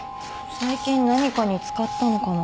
最近何かに使ったのかも。